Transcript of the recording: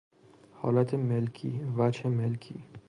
حالت ملکی، وجه ملکی